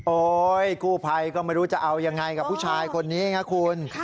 กู้ภัยก็ไม่รู้จะเอายังไงกับผู้ชายคนนี้นะคุณ